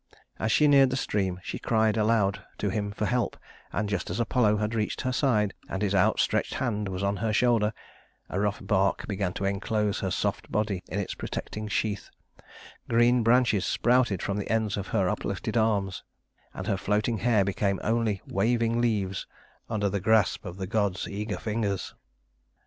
As she neared the stream she cried aloud to him for help; and just as Apollo had reached her side and his outstretched hand was on her shoulder, a rough bark began to enclose her soft body in its protecting sheath; green branches sprouted from the ends of her uplifted arms; and her floating hair became only waving leaves under the grasp of the god's eager fingers.